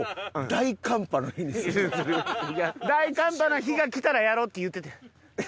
大寒波の日がきたらやろうって言っててん。